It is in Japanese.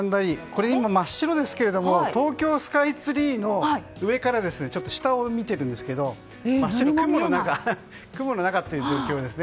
これ今、真っ白ですが東京スカイツリーの上から下を見ているんですけど真っ白、雲の中という状況です。